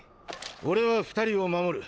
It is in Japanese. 俺は２人を守る。